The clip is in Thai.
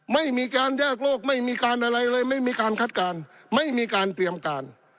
ไม่มีการแยกโลกไม่มีการอะไรเลยไม่มีการคาดการณ์ไม่มีการเตรียมการ